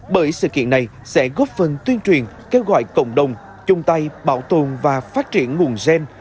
bởi sự kiện này sẽ góp phần tuyên truyền kêu gọi cộng đồng chung tay bảo tồn và phát triển nguồn gen